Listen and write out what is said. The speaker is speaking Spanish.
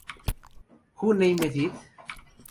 Who Named It?